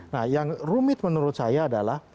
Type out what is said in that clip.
nah yang rumit menurut saya adalah